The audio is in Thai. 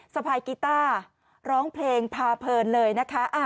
สะพายกีต้าร้องเพลงพาเพลินเลยนะคะ